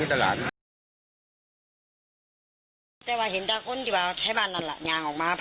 อยู่หลังนั้นครับ